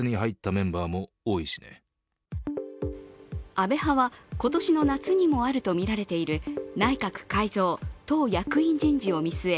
安倍派は、今年の夏にもあるとみられている内閣改造・党役員人事を見据え